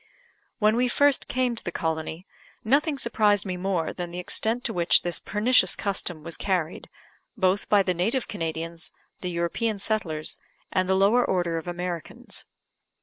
When we first came to the colony, nothing surprised me more than the extent to which this pernicious custom was carried, both by the native Canadians, the European settlers, and the lower order of Americans.